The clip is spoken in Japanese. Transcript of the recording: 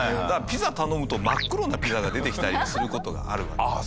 だからピザ頼むと真っ黒なピザが出てきたりする事があるわけ。